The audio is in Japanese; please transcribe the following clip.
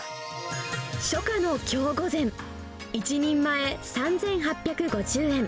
初夏の京御膳、１人前３８５０円。